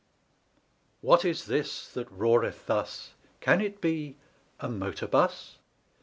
What is this that roareth thus? Can it be a Motor Bus?